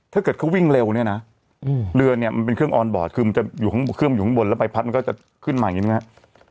ถ้าเกิดเขาวิ่งเร็วเนี่ยนะเรือเนี่ยมันเป็นเครื่องออนบอร์ดคือมันจะอยู่ข้างบนเครื่องอยู่ข้างบนแล้วใบพัดมันก็จะขึ้นมาอย่างนี้ไหมครับ